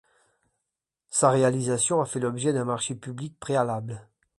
Sa réalisation a fait l'objet d'un marché public préalable.